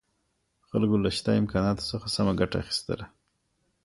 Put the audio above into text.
خلګو له شته امکاناتو څخه سمه ګټه اخیستله.